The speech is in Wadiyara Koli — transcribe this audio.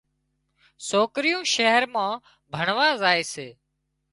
سوڪريون شهر مان ڀڻوا زائي سي